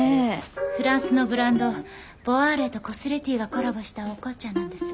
フランスのブランドボワールとコスレティーがコラボしたお紅茶なんです。